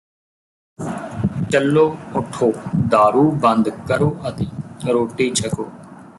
ਚਲੋ ਉਠੋ ਦਾਰੂ ਬੰਦ ਕਰੋ ਅਤੇ ਰੋਟੀ ਛਕੋ